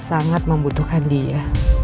sangat membutuhkan dia